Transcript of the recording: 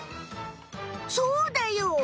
そうだよ。